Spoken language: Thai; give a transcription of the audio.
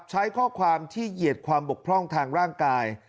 ใช้ข้อความที่เหยียดความบกพร่องทางร่างกาย